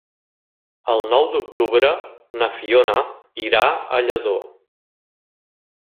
El nou d'octubre na Fiona irà a Lladó.